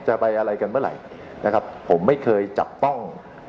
ไปอะไรกันเมื่อไหร่นะครับผมไม่เคยจับต้อง